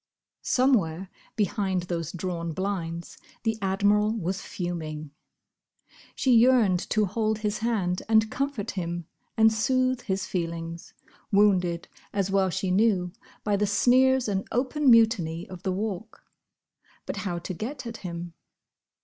Somewhere behind those drawn blinds the Admiral was fuming. She yearned to hold his hand and comfort him and soothe his feelings, wounded, as well she knew, by the sneers and open mutiny of the Walk. But how to get at him?